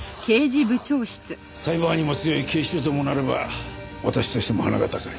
サイバーにも強い警視庁ともなれば私としても鼻が高い。